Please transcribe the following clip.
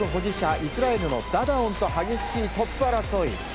イスラエルのダダオンと激しいトップ争い。